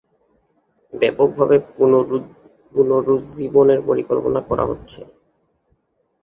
ব্যাপকভাবে পুনরুজ্জীবনের পরিকল্পনা করা হচ্ছে।